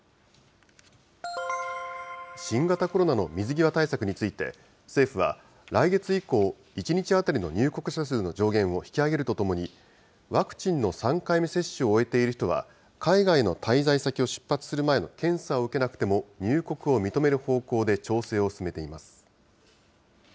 新型コロナの水際対策について、政府は来月以降、１日当たりの入国者数の上限を引き上げるとともに、ワクチンの３回目接種を終えている人は、海外の滞在先を出発する前の検査を受けなくても入国を認める方向で調整を進めています。